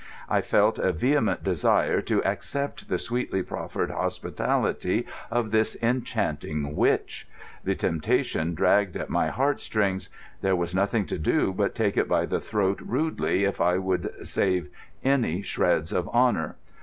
I felt a vehement desire to accept the sweetly proffered hospitality of this enchanting witch. The temptation dragged at my heartstrings. There was nothing to do but take it by the throat rudely if I would save any shreds of honour.